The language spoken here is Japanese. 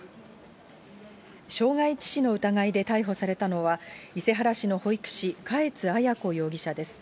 傷害致死の疑いで逮捕されたのは、伊勢原市の保育士、嘉悦彩子容疑者です。